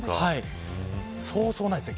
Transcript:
そうそうないですね。